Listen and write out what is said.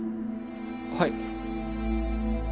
はい。